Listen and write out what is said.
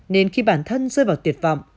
nên khi bản thân rơi vào tuyệt vọng